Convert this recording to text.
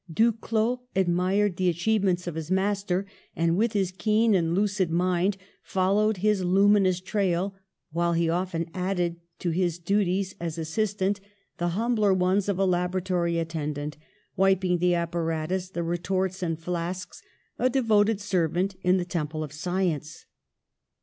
Duclaux admired the achievements of his master, and with his keen and lucid mind followed his luminous trail, while he often added to his du ties as assistant the humbler ones of a labora tory attendant, wiping the apparatus, the re torts and flasks, a devoted servant in the tem ple of science.